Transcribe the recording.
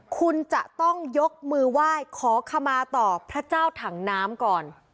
คุณจะต้องยกมือไหว้ขอขมาต่อพระเจ้าถังน้ำก่อน